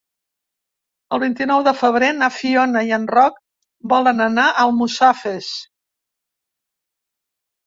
El vint-i-nou de febrer na Fiona i en Roc volen anar a Almussafes.